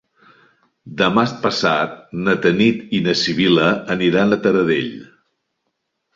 Demà passat na Tanit i na Sibil·la aniran a Taradell.